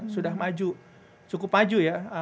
sudah maju cukup maju ya